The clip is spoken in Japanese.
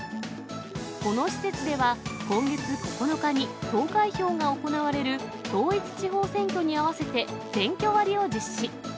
この施設では、今月９日に投開票が行われる統一地方選挙に合わせて、選挙割を実施。